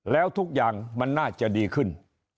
แล้วทุกอย่างมันน่าจะดีขึ้น